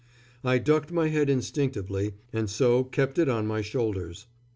I ducked my head instinctively, and so kept it on my shoulders.